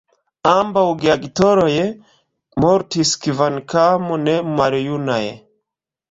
Ambaŭ geaktoroj mortis kvankam ne maljunaj.